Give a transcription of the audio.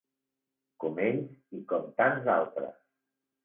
Com ells i com tants altres.